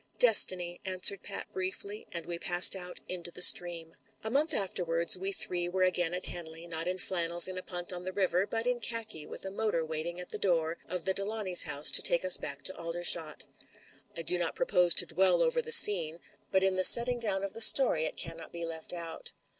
" 'Destiny,' " answered Pat briefly, and we passed out into the stream. ••■•• A month afterwards we three were again at Henley, not in flannels in a punt on the river, but in khaki, with a motor waiting at the door of the Delawnays' house to take us back to Aldershot. I do not pro pose to dwell over the scene, but in the setting down of the story it cannot be left out.